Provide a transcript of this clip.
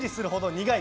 苦い！